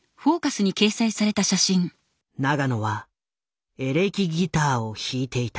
永野はエレキギターを弾いていた。